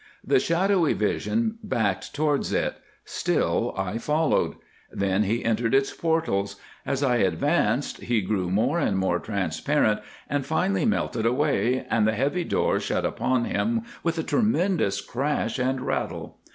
The shadowy vision backed towards it. Still I followed. Then he entered its portals. As I advanced he grew more and more transparent, and finally melted away, and the heavy door shut upon him with a tremendous crash and rattle.